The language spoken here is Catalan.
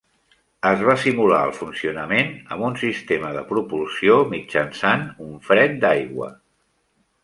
Es va simular el funcionament amb un sistema de propulsió mitjançant un fred d'aigua.